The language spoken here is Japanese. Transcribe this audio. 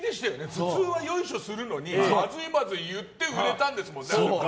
普通は、よいしょするのにまずいまずい言って売れたんですもんね。